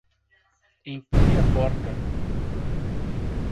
Empurre a porta